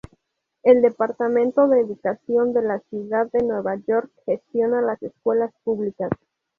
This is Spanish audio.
El Departamento de Educación de la Ciudad de Nueva York gestiona las escuelas públicas.